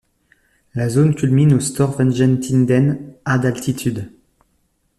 La zone culmine au Store Venjetinden, à d'altitude.